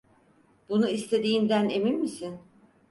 Bunu istediğinden emin misin?